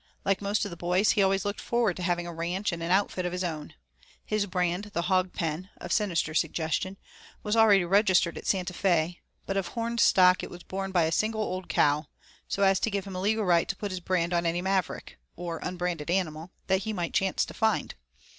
Like most of the boys, he always looked forward to having a ranch and an outfit of his own. His brand, the hogpen, of sinister suggestion, was already registered at Santa Fe, but of horned stock it was borne by a single old cow, so as to give him a legal right to put his brand on any maverick (or unbranded animal) he might chance to find.